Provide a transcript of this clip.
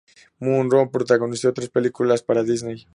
Munro protagonizó tres películas para la Disney.